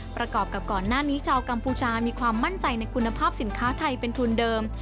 ประกอบกับก่อนหน้านี้ชาวกัมพูชามีความมั่นใจในคุณภาพสินค้าไทยเป็นทุนเดิม